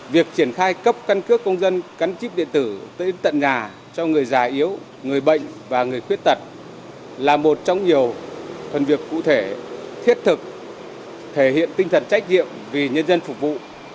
việc triển khai cấp căn cước công dân gắn chip điện tử tới tận nhà cho người già yếu người bệnh và người khuyết tật là một trong nhiều phần việc cụ thể thiết thực thể hiện tinh thần trách nhiệm vì nhân dân phục vụ